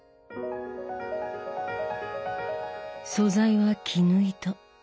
素材は絹糸。